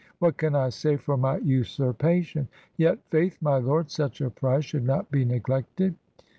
What can I say for my usurpa tion? Yet, faith, my Lord, such a prize should not bei neglected!'